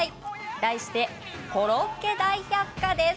題して「コロッケ大百科」です。